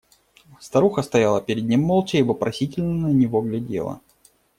Старуха стояла перед ним молча и вопросительно на него глядела.